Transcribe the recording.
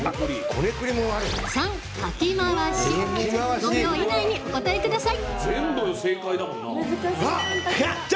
５秒以内にお答えください。